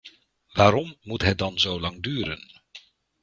Waarom moet het dan zo lang duren?